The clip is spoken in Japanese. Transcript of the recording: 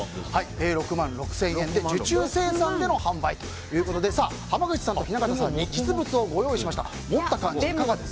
６万６０００円で受注生産での販売ということで濱口さんと雛形さんに実物をご用意しました。